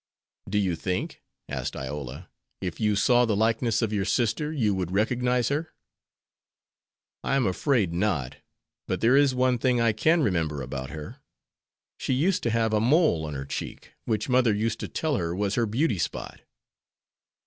"Do you think," asked Iola, "if you saw the likeness of your sister you would recognize her?" "I am afraid not. But there is one thing I can remember about her: she used to have a mole on her cheek, which mother used to tell her was her beauty spot."